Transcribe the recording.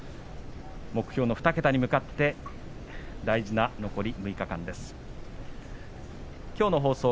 目標の２桁に向かって大事な残り６日間です。